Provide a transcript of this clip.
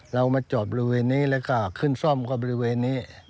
เรามาจอดบริเวณนี้แล้วก็ขึ้นซ่อมก็บริเวณนี้